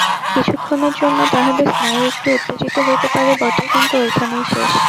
কিছুক্ষণের জন্য তাহাদের স্নায়ু একটু উত্তেজিত হইতে পারে বটে, কিন্তু ঐখানেই শেষ।